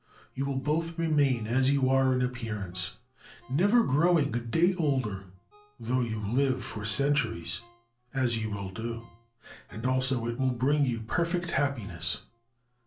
You will both remain as you are in appearance, never growing a day older though you live for centuries, as you will do ; and also it will bring you perfect happiness.